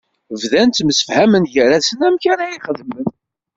Bdan ttemsefhamen gar-asen amek ad iyi-xedmen.